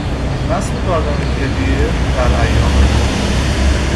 رسم دادن هدیه در ایام نوروز